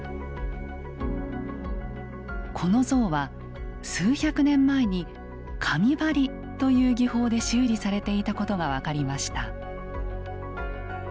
この像は数百年前に「紙貼り」という技法で修理されていたことが分かりました。